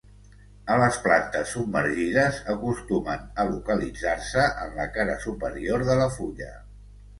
A les plantes submergides acostumen a localitzar-se en la cara superior de la fulla.